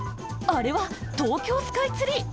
あれは東京スカイツリー！